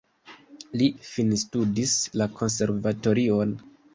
Li finstudis la konservatorion.